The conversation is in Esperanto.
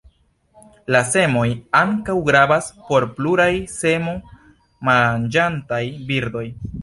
La semoj ankaŭ gravas por pluraj semo-manĝantaj birdoj.